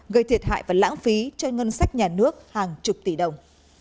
gây thiệt hại và lãng phí cho ngân sách nhà nước hàng chục tỷ đồng